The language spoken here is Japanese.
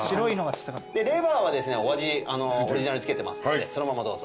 レバーはですねお味オリジナルつけてますのでそのままどうぞ。